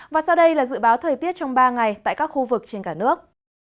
và sau đây là dự báo thời tiết trong ba ngày tại các khu vực trên cả nước